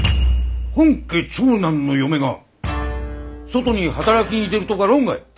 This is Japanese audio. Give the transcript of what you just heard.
本家長男の嫁が外に働きに出るとか論外。